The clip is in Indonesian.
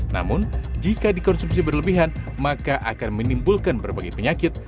namun jika dikonsumsi berlebihan maka akan menimbulkan berbagai penyakit